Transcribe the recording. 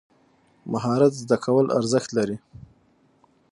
مهارت زده کول ارزښت لري.